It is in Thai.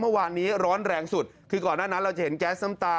เมื่อวานนี้ร้อนแรงสุดคือก่อนหน้านั้นเราจะเห็นแก๊สน้ำตา